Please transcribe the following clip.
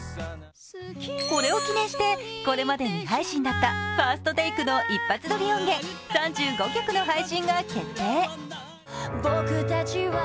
これを記念してこれまで未配信だったＦＩＲＳＴＴＡＫＥの一発撮り音源３５曲の配信が決定。